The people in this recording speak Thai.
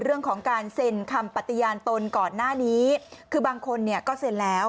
เรื่องของการเซ็นคำปฏิญาณตนก่อนหน้านี้คือบางคนเนี่ยก็เซ็นแล้ว